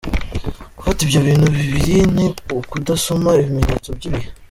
Gufata ibyo bintu bibiri ni ukudasoma ibimenyetso by’ibihe.